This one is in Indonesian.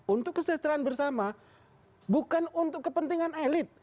untuk kesejahteraan bersama bukan untuk kepentingan elit